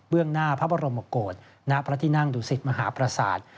เบื้องหน้าพระพระรมโกรธณพระที่นั่งดุศิษฐ์มหาประศาสตร์